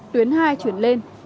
tuyến hai chuyển lên